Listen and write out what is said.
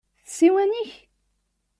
D ssiwan-ik?